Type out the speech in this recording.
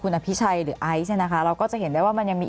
อภิชัยหรือไอซ์เนี่ยนะคะเราก็จะเห็นได้ว่ามันยังมี